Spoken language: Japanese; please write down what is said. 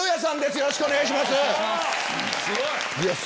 よろしくお願いします。